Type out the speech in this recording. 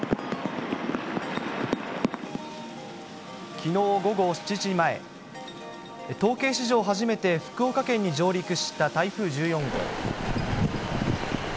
きのう午後７時前、統計史上初めて福岡県に上陸した台風１４号。